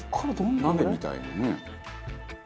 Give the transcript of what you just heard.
「鍋みたいにね」